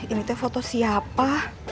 ini tuh foto siapa